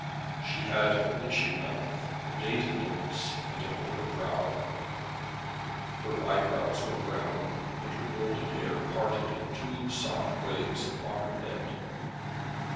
She had a witching mouth, a dainty nose, and an open brow. Her eyebrows were brown, and her golden hair parted in two soft waves upon her head.